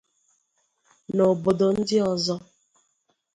nà obodo ndị ọzọ.